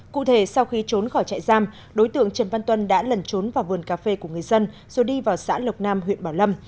cụ thể sau khi trốn khỏi trại giam đối tượng trần văn tuân đã lẩn trốn vào vườn cà phê của người dân rồi đi vào xã lộc nam huyện bảo lâm